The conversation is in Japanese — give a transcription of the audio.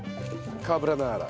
カブラナーラ。